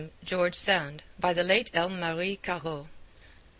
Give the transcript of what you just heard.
George Sand. By the late Elme Marie Caro.